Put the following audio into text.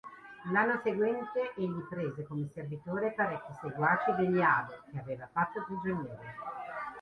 L'anno seguente egli prese come servitori parecchi seguaci degli Abe che aveva fatto prigionieri.